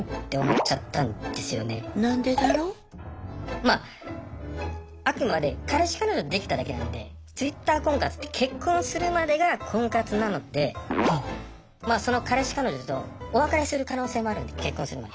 まああくまで彼氏彼女できただけなんでＴｗｉｔｔｅｒ婚活って結婚するまでが婚活なのでまあその彼氏彼女とお別れする可能性もあるので結婚するまで。